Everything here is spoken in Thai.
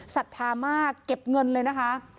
ศรัทธามากเก็บเงินเลยนะคะ